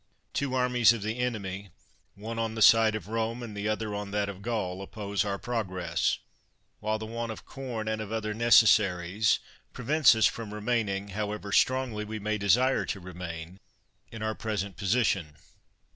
Two armies of the enemy, one on the side of Rome, and the other on that of Gaul, oppose our progress ; while the want of com, and of other necessaries, prevents us from remaining, however strongly we may desire to remain, in our present position.